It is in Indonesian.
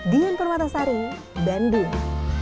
dian permatasari bandung